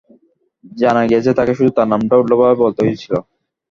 জানা গিয়েছে, তাকে শুধু তার নামটা উল্টোভাবে বলতে হয়েছিল।